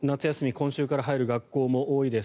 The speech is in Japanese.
今週から入る学校も多いです。